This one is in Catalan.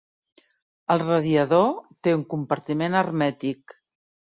El radiador té un compartiment hermètic.